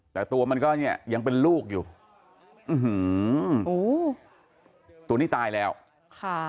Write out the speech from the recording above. แต่ตัวมันก็เนี่ยยังเป็นลูกอยู่อื้อหือตัวนี้ตายแล้วค่ะ